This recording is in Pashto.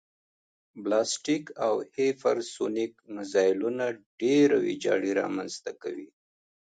بلاستیک او هیپرسونیک مزایلونه ډېره ویجاړي رامنځته کوي